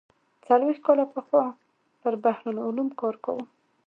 څلوېښت کاله پخوا پر بحر العلوم کار کاوه.